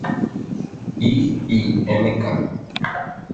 I y Mk.